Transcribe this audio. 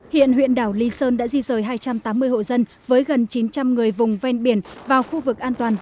hiện huyện đảo lý sơn đã di rời hai trăm tám mươi hộ dân với gần chín trăm linh người vùng ven biển vào khu vực an toàn